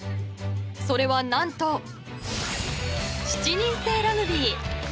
それは何と、７人制ラグビー。